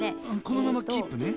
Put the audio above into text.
このままキープね。